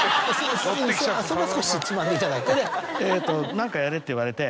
「何かやれ」って言われて。